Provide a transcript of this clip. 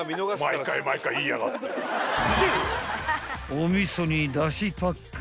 ［お味噌にだしパック］